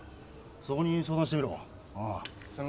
そこに相談してみろうん。